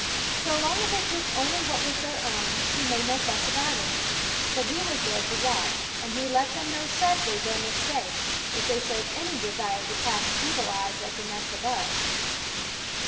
So long as they took only what was their own, he made no fuss about it ; but he was there to watch, and he let them know sharply their mistake, if they showed any desire to cast evil eyes at the nest above.